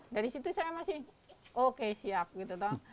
dari situ saya masih oke siap gitu tau